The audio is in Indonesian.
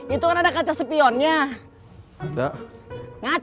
itu kan ada kaca sepionnya